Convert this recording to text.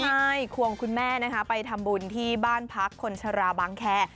ใช่ควงคุณแม่นะคะไปทำบุญที่บ้านพักคนชราบางแคร์